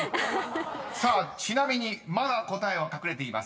［さあちなみにまだ答えは隠れています］